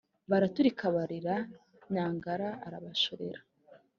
baraturika bararira. nyangara arabashorera